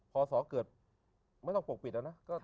พอสอเกิดไม่ต้องปกปิดแล้วนะ